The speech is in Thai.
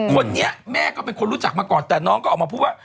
คนนี้แม่ก็เป็นคนรู้จักมาก่อนแต่น้องก็ออกมาพูดว่า